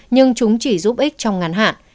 nhưng chúng chỉ giúp ích trong ngàn hạn